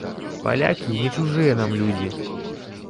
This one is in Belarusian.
Палякі не чужыя нам людзі.